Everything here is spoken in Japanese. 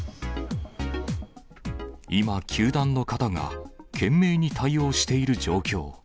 今、球団の方が懸命に対応している状況。